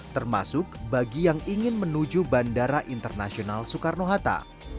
termasuk bagi yang ingin menuju bandara internasional soekarno hatta